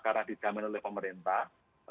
karena ditanggung oleh pemerintah